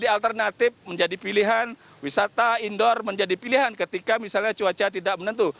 alternatif menjadi pilihan wisata indoor menjadi pilihan ketika misalnya cuaca tidak menentu